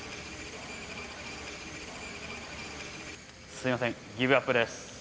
すいませんギブアップです。